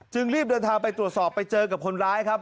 รีบเดินทางไปตรวจสอบไปเจอกับคนร้ายครับ